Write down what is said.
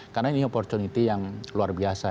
karena ini opportunity yang luar biasa